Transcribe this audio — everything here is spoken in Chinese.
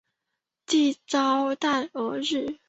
蒂绍代尔日。